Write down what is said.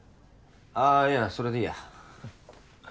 ああいいやそれでいいや。